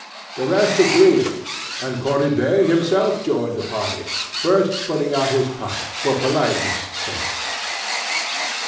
The rest agreed, and Cornudet himself joined the party, first putting out his pipe for politeness' sake.